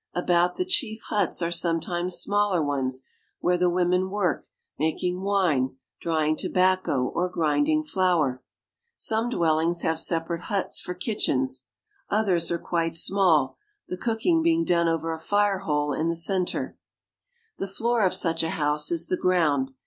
About the chief huts are sometimes smaller ones, where the women work, makingwine, drying tobacco, or grinding flour. Some dwellings have separate huts for kitchens. Oth ers are quite small, the cooking being done over a fire hole in the cen ter. The floor of such a house is the ground.